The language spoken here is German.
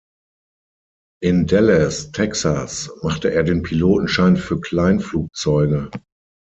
In Dallas, Texas, machte er den Pilotenschein für Kleinflugzeuge.